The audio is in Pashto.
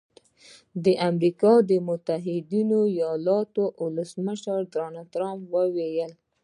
د امریکا متحده ایالتونو ولسمشر ډونالډ ټرمپ ویلي